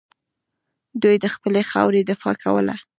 دوی د خپلې خاورې دفاع کوله